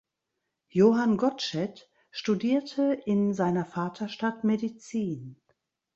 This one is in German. Johann Gottsched studierte in seiner Vaterstadt Medizin.